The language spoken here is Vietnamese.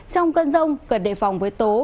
trong cơn rông cần đề phòng với tố